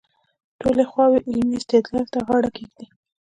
ټولې خواوې علمي استدلال ته غاړه کېږدي.